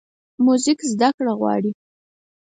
موزیک زدهکړه غواړي.